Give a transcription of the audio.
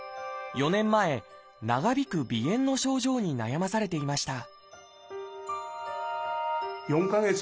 ４年前長引く鼻炎の症状に悩まされていました